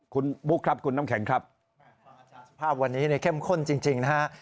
คุณบุ๊คครับคุณน้ำแข็งครับภาพวันนี้เนี่ยเข้มข้นจริงนะฮะ